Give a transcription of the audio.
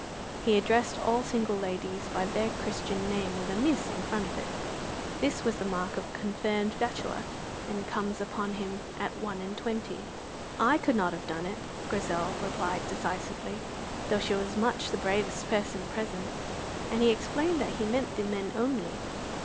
He addressed all single ladies by their Christian name with a Miss in front of it. This is the mark of the confirmed bachelor, and comes upon him at one and twenty. "I could not have done it," Grizel replied decisively, though she was much the bravest person present, and he explained that he meant the men only.